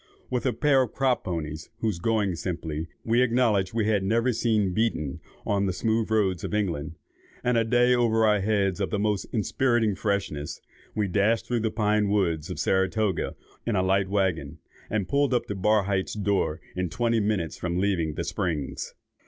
With a pair of crop ponies, whose going, simply, we acknowledged we had never seen beaten on the smooth roads of England, and a day over our heads of the most inspiriting freshness, we dashed through the pine woods of Saratoga in a light waggon, and pulled up at Barhydt's door in twenty minutes from leaving the Springs.